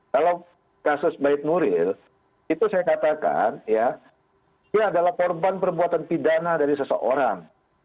kalau kasus baik nuril itu saya katakan ya dia adalah korban perbuatan pidana dari seseorang